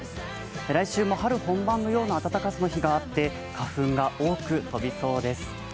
来週の春本番のような暖かさの日があって、花粉が多く飛びそうです。